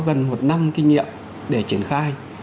gần một năm kinh nghiệm để triển khai